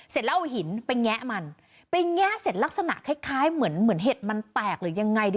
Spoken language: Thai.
เสร็จแล้วเอาหินไปแงะมันไปแงะเสร็จลักษณะคล้ายคล้ายเหมือนเหมือนเห็ดมันแตกหรือยังไงดี